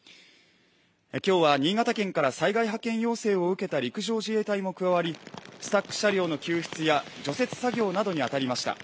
今日は新潟県から災害派遣要請を受けた陸上自衛隊も加わりスタック車両の救出や除雪作業に当たりました。